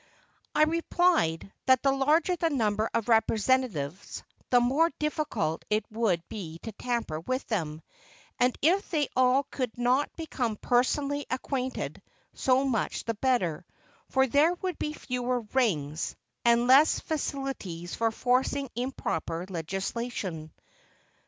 I replied, that the larger the number of representatives, the more difficult it would be to tamper with them; and if they all could not become personally acquainted, so much the better, for there would be fewer "rings," and less facilities for forcing improper legislation.